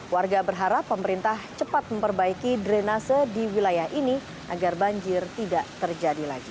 warga berharap pemerintah cepat memperbaiki drenase di wilayah ini agar banjir tidak terjadi lagi